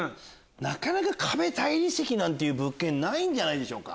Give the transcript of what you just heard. なかなか壁大理石なんて物件ないんじゃないでしょうか。